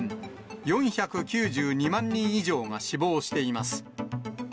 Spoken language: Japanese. ４９２万人以上が死亡しています。